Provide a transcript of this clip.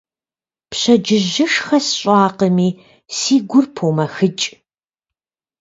Пщэдджыжьышхэ сщӀакъыми, си гур помэхыкӀ.